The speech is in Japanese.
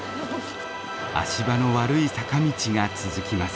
足場の悪い坂道が続きます。